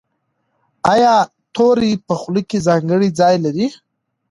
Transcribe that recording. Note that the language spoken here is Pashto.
ایا توری په خوله کې ځانګړی ځای لري؟